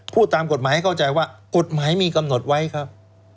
พูดตามกฎหมายให้เข้าใจว่ากฎหมายมีกำหนดไว้ครับ